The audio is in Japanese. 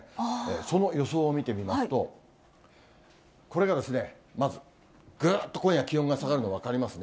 その予想を見てみますと、これがまずぐっと今夜、気温が下がるの分かりますね。